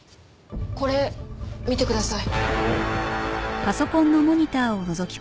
これ見てください。